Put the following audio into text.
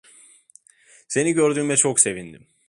Seni gördüğüme çok sevindim.